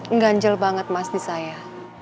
ngeganjel banget mas di saya